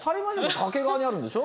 掛川にあるんでしょ。